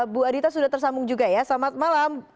bu adita sudah tersambung juga ya selamat malam